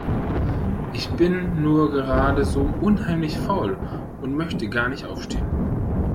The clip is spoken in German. Ich bin nur gerade so unheimlich faul und möchte gar nicht aufstehen.